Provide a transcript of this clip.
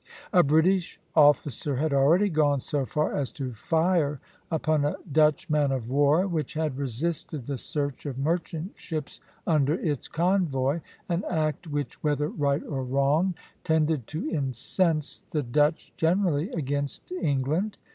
A British officer had already gone so far as to fire upon a Dutch man of war which had resisted the search of merchant ships under its convoy; an act which, whether right or wrong, tended to incense the Dutch generally against England.